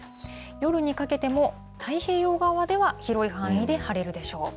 夜にかけても、太平洋側では広い範囲で晴れるでしょう。